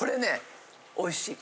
おいしい。